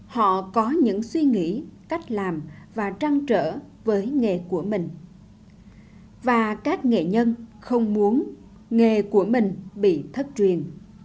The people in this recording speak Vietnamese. họ có những suy nghĩ cách làm và trăng trở với nghề của mình và các nghệ nhân không muốn nghề của mình bị thất truyền